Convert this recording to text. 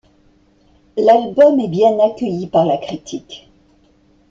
L'album est bien accueilli par la critique.